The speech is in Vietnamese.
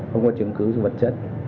không có chứng cứ vật chất